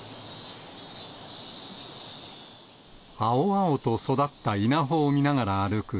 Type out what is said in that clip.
青々と育った稲穂を見ながら歩く